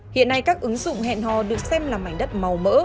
hiện nay các ứng dụng hẹn hò được xem là mảnh đất màu mỡ